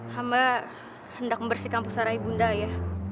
hamba hendak membersihkan pusarai bunda ya